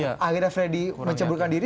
akhirnya freddy menceburkan diri